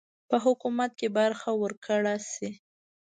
په حکومت کې برخه ورکړه سي.